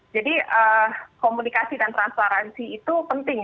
jadi komunikasi dan transferansi itu penting